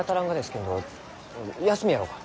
けんど休みやろうか？